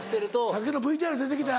さっきのＶＴＲ出てきた。